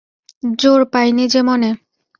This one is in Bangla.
জোর পাই নে যে মনে।